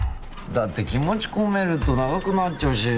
だって気持ち込めると長くなっちゃうし。